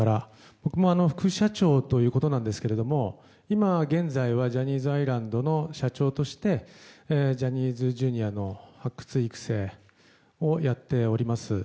僕も副社長ということなんですけれども今、現在はジャニーズアイランドの社長としてジャニーズＪｒ．の発掘・育成をやっております。